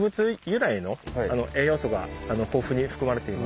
由来の栄養素が豊富に含まれています。